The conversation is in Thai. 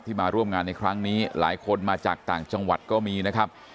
มาร่วมงานในครั้งนี้หลายคนมาจากต่างจังหวัดก็มีนะครับ